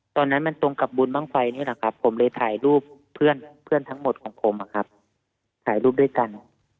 ตอนนั้นมันตรงกับบุญบ้างไฟนี่แหละครับผมเลยถ่ายรูปเพื่อนทั้งหมดของผมถ่ายรูปด้วยกัน